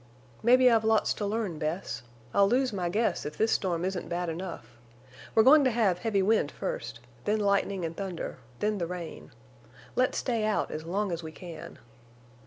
"Maybe I've lots to learn, Bess. I'll lose my guess if this storm isn't bad enough. We're going to have heavy wind first, then lightning and thunder, then the rain. Let's stay out as long as we can."